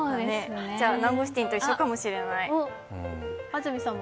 じゃあナンゴスティンと一緒かもしれない。